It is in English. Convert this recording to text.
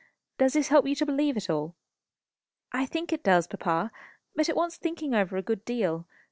Does this help you to believe at all?" "I think it does, papa. But it wants thinking over a good deal.